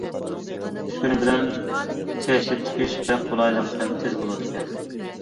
ئۈسكۈنە بىلەن كەشتە تىكىش بەك قولايلىق ھەم تېز بولىدىكەن.